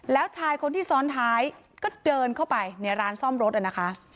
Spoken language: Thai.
แล้วชายคนที่ซ้อนท้ายก็เดินเข้าไปในร้านซ่อมรถนะคะ